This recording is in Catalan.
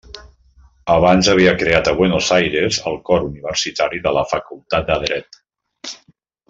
Abans havia creat a Buenos Aires el Cor Universitari de la Facultat de Dret.